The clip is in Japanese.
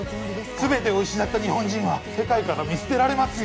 全てを失った日本人は世界から見捨てられますよ